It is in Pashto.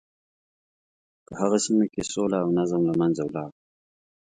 په هغه سیمه کې سوله او نظم له منځه ولاړ.